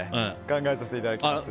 考えさせていただきます。